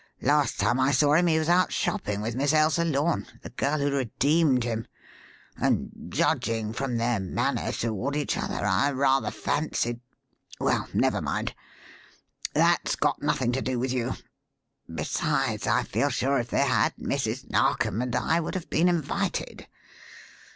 Last time I saw him he was out shopping with Miss Ailsa Lorne the girl who redeemed him and judging from their manner toward each other, I rather fancied well, never mind! That's got nothing to do with you. Besides, I feel sure that if they had, Mrs. Narkom and I would have been invited.